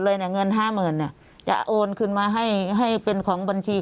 เลยเนี่ยเงิน๕๐๐๐๐บาทนึงจะโอนขึ้นมาให้ให้เป็นของบัญชี